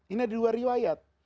ini ada dua riwayat